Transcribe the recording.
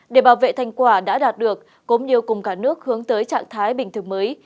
để bảo vệ thành quả đã đạt được cũng như cùng cả nước hướng tới trạng thái bình thực mới